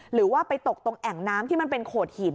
หรือว่าไปตกตรงแอ่งน้ำที่มันเป็นโขดหิน